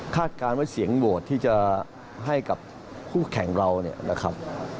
การว่าเสียงโหวตที่จะให้กับคู่แข่งเราเนี่ยนะครับ